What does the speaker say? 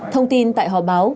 thông tin tại họ báo